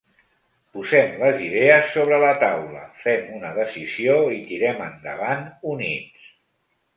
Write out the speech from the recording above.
Posem les idees sobre la taula, fem una decisió i tirem endavant units.